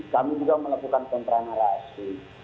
kami juga melakukan penerangan rahasi